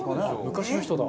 昔の人だ。